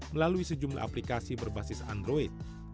melalui sejumlah aplikasi berbasis android